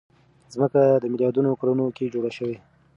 ځمکه ميلياردونو کلونو کې جوړه شوې.